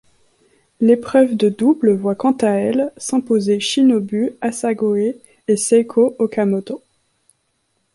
L'épreuve de double voit quant à elle s'imposer Shinobu Asagoe et Seiko Okamoto.